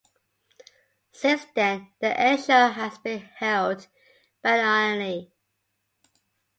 Since then the airshow has been held biannually.